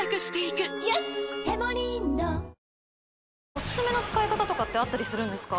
おすすめの使い方ってあったりするんですか？